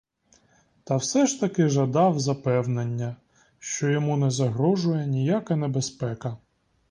Та все ж таки жадав запевнення, що йому не загрожує ніяка небезпека.